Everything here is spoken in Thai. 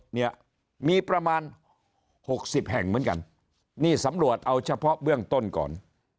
เนี่ยมีประมาณ๖๐แห่งเหมือนกันนี่สำรวจเอาเฉพาะเบื้องต้นก่อน